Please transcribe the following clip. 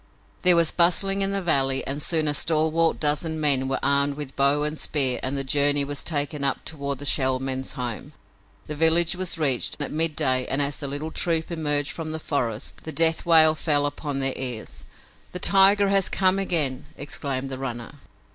There was bustling in the valley and soon a stalwart dozen men were armed with bow and spear and the journey was taken up toward the Shell Men's home. The village was reached at mid day and as the little troop emerged from the forest the death wail fell upon their ears. "The tiger has come again!" exclaimed the runner.